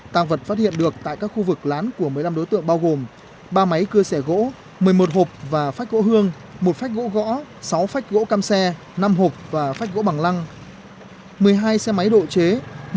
tạm vật phát hiện được tại các khu vực lán của một mươi năm đối tượng bao gồm ba máy cưa sẻ gỗ một mươi một hộp và phách gỗ hương một phách gỗ gõ sáu phách gỗ cam xe năm hộp và phách gỗ bằng lăng một mươi hai xe máy độ chế một cỗ xe bò cùng nhiều vật dụng phục vụ ăn ở sinh hoạt